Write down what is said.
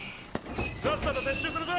さっさと撤収するぞ。